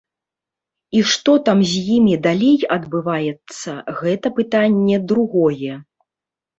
І што там з імі далей адбываецца, гэта пытанне другое.